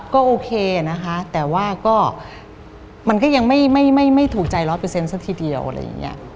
ก็โอเคนะคะแต่ว่าก็มันก็ยังไม่ถูกใจร้อยเปอร์เซ็นซะทีเดียวอะไรอย่างนี้